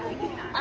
あ？